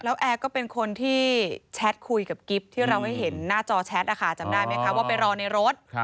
แล้วแอร์ก็เป็นคนที่แชทคุยกับกิฟต์ที่เราให้เห็นหน้าจอแชทนะคะจำได้ไหมคะว่าไปรอในรถ